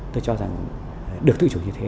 tôi cho rằng được tự chủ như thế